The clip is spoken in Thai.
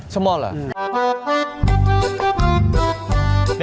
ชะมอล่ะชะมอล่ะ